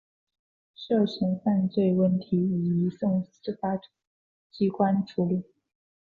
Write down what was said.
涉嫌犯罪问题已移送司法机关处理。